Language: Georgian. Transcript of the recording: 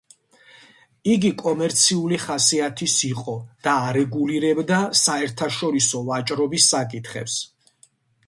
იგი კომერციული ხასიათის იყო და არეგულირებდა საერთაშორისო ვაჭრობის საკითხებს.